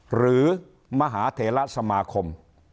หรือมหาเถระสมาคม